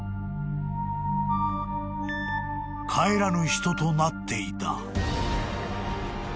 ［帰らぬ人となっていた］